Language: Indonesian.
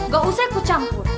gak usah aku campur